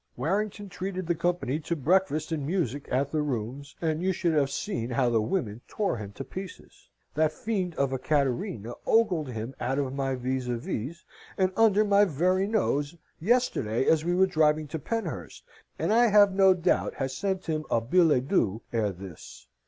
"Warrington treated the company to breakfast and music at the rooms; and you should have seen how the women tore him to pieces. That fiend of a Cattarina ogled him out of my vis a vis, and under my very nose, yesterday, as we were driving to Penshurst, and I have no doubt has sent him a billet doux ere this.